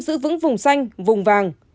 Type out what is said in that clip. giữ vững vùng xanh vùng vàng